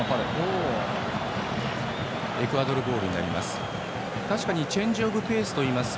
エクアドルボールになります。